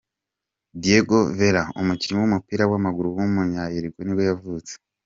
Diego Vera, umukinnyi w’umupira w’amaguru w’umunya Uruguay nibwo yavutse.